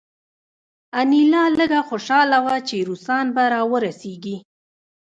انیلا لږه خوشحاله وه چې روسان به راورسیږي